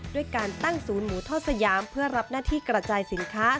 ด้วยการตั้งศูนย์หมูทอดสยามเพื่อรับหน้าที่กระจายสินค้า